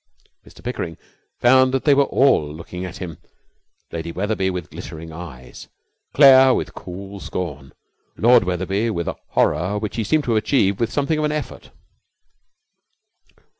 Mr Pickering found that they were all looking at him Lady Wetherby with glittering eyes, Claire with cool scorn, Lord Wetherby with a horror which he seemed to have achieved with something of an effort.